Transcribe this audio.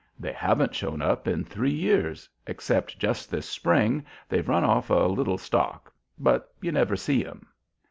They haven't shown up in three years, except just this spring they've run off a little stock. But you never see 'em."